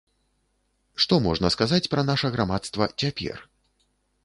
Што можна сказаць пра наша грамадства цяпер?